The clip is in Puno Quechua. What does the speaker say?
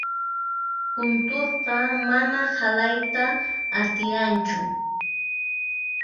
Kunturqa mana halayta atiranchu.